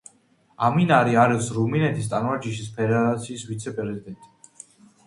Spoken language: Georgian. ამინარი არის რუმინეთის ტანვარჯიშის ფედერაციის ვიცე-პრეზიდენტი.